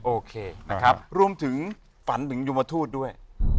โอเคนะครับรวมถึงฝันถึงยุมทูตด้วย